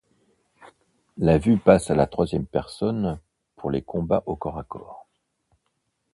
La vue passe à la troisième personne pour les combats au corps à corps.